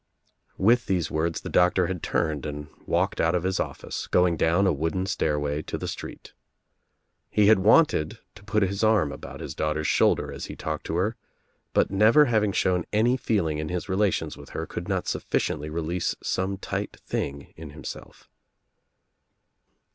With these words the Doctor had turned and waited out of his office, going down a wooden stairway to the street. He had wanted to put his arm about his daughter's shoulder as he talked to her, hut never having shown any feeling In his relations with her luld not sufficiently release some tight thing in him lelf.